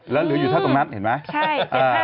และเหลืออยู่ท่าตรงนั้นเห็นไหม